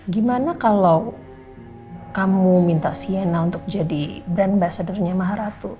gimana kalau kamu minta sienna untuk jadi brand ambassador nya maharatu